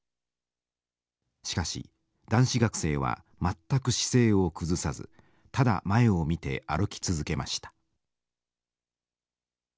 しかし男子学生は全く姿勢を崩さずただ前を見て歩き続けました。